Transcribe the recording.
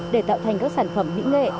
để tạo thành các sản phẩm mỹ nghệ